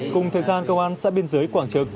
cùng thời gian công an xã biên giới quảng trực